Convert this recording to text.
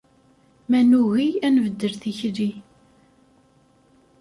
Ma nugi ad nbeddel tikli.